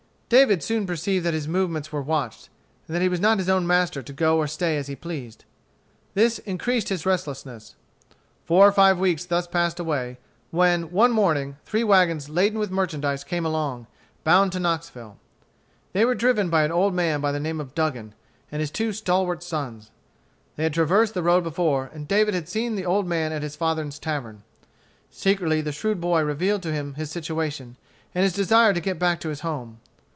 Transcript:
David soon perceived that his movements were watched, and that he was not his own master to go or stay as he pleased. This increased his restlessness. Four or five weeks thus passed away, when, one morning, three wagons laden with merchandise came along, bound to Knoxville. They were driven by an old man by the name of Dugan, and his two stalwart sons. They had traversed the road before, and David had seen the old man at his father's tavern. Secretly the shrewd boy revealed to him his situation, and his desire to get back to his home.